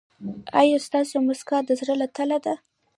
ایا ستاسو مسکا د زړه له تله ده؟